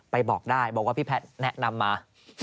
บอกได้บอกว่าพี่แพทย์แนะนำมา